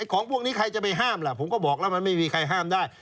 ของพวกนี้ใครจะไปห้ามล่ะผมก็บอกแล้วมันไม่มีใครห้ามได้